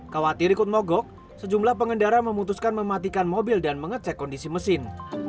khawatir ikut mogok sejumlah pengendara memutuskan mematikan mobil dan mengecek kondisi mesin